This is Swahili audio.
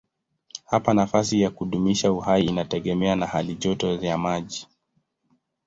Hapa nafasi ya kudumisha uhai inategemea na halijoto ya maji.